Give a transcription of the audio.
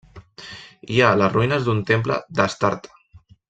Hi ha les ruïnes d'un temple d'Astarte.